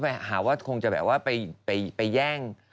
มันหาว่าคงจะแบบว่าไปแห้ง